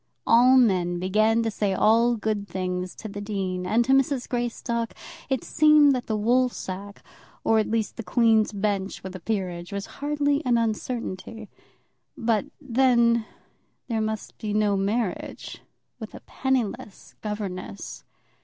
All men began to say all good things to the dean, and to Mrs. Greystock it seemed that the woolsack, or at least the Queen's Bench with a peerage, was hardly an uncertainty. But then, there must be no marriage with a penniless governess.